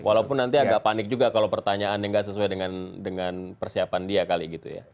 walaupun nanti agak panik juga kalau pertanyaannya nggak sesuai dengan persiapan dia kali gitu ya